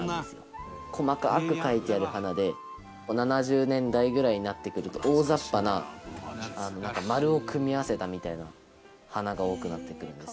７０年代ぐらいになってくると大雑把な丸を組み合わせたみたいな花が多くなってくるんですよ。